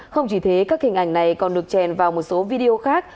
không chỉ thế các hình ảnh này còn được chèn vào một số video khác